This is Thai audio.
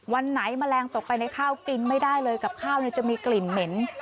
วันไหนแมลงตกไปในข้าวกินไม่ได้เลยกับข้าวจะมีกลิ่นเหม็น